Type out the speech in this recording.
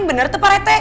bener teh pak rt